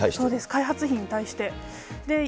開発費に対して。